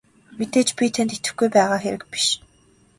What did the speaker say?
Мэдээж би танд итгэхгүй байгаа хэрэг биш.